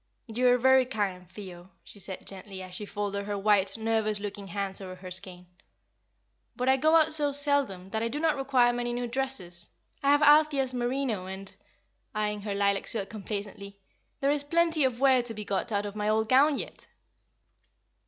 "You are very kind, Theo," she said, gently, as she folded her white, nervous looking hands over her skein, "but I go out so seldom, that I do not require many new dresses. I have Althea's merino, and" eyeing her lilac silk complacently "there is plenty of wear to be got out of my old gown yet!"